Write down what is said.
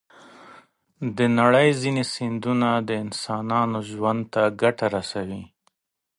د نړۍ ځینې سیندونه د انسانانو ژوند ته ګټه رسوي.